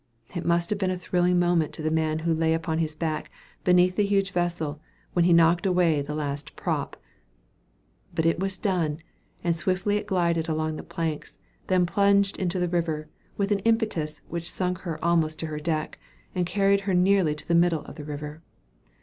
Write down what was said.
It must have been a thrilling moment to the man who lay upon his back, beneath the huge vessel, when he knocked away the last prop. But it was done, and swiftly it glided along the planks, then plunged into the river, with an impetus which sunk her almost to her deck, and carried her nearly to the middle of the river.